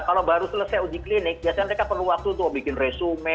kalau baru selesai uji klinik biasanya mereka perlu waktu untuk bikin resume